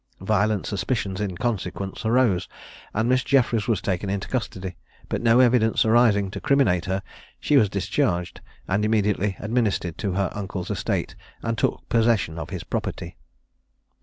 Violent suspicions in consequence arose, and Miss Jeffries was taken into custody, but no evidence arising to criminate her, she was discharged, and immediately administered to her uncle's estate and took possession of his property.